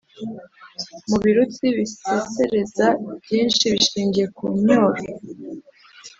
mu birutsi bisesereza, ibyinshi bishingiye ku ncyuro